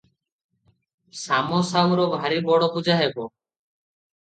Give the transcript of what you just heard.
ଶାମ ସାଉର ଭାରି ବଡ଼ ପୂଜା ହେବ ।